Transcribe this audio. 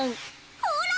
ほら！